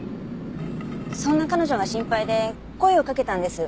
そんな彼女が心配で声をかけたんです。